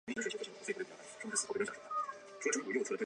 原为清代琅峤卑南道的其中一段。